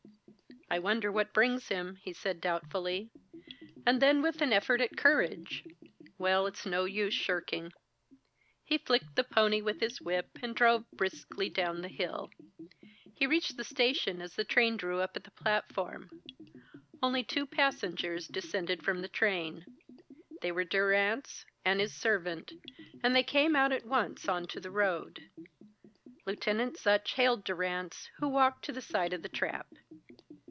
"I wonder what brings him," he said doubtfully; and then with an effort at courage, "Well, it's no use shirking." He flicked the pony with his whip and drove briskly down the hill. He reached the station as the train drew up at the platform. Only two passengers descended from the train. They were Durrance and his servant, and they came out at once on to the road. Lieutenant Sutch hailed Durrance, who walked to the side of the trap.